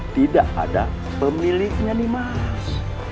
tidak ada pemiliknya nih mas